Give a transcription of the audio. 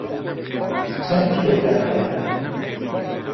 چەند کتێبتان هەیە؟